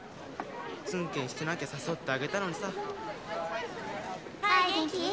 ツンケンしてなきゃ誘ってあげたのにさハーイ元気？